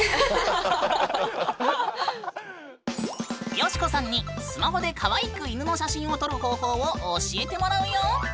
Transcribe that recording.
よしこさんにスマホでかわいく犬の写真を撮る方法を教えてもらうよ！